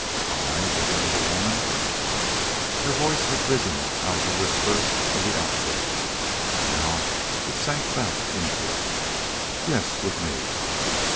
"I living with a woman?" Her voice had risen out of the whisper for the outbreak. Now it sank back into it. "Yes with me!"